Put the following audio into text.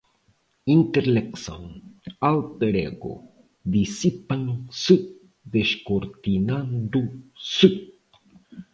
Intelecção, alter ego, dissipam-se, descortinando-se